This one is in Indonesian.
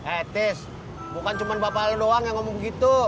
eh tis bukan cuma bapak lo doang yang ngomong begitu